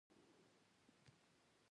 چې پۀ نتېجه کښې ايريکټائل ډسفنکشن پېدا کيږي